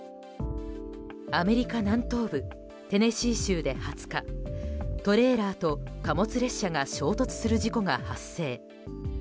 アメリカ南東部テネシー州で２０日トレーラーと貨物列車が衝突する事故が発生。